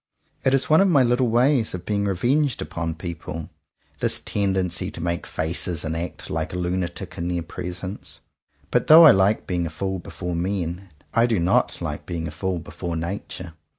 It is one of my little ways of being revenged 124 JOHN COWPER POWYS upon people — this tendency to make faces and act like a lunatic in their presence. But though I like being a fool before men, I do not like being a fool before Nature.